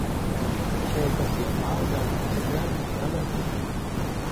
چے کسیں مھال دالہ (اڅھکیار نہ) بِھیالس نَیں،